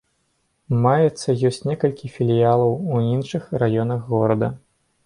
Маецца ёсць некалькі філіялаў у іншых раёнах горада.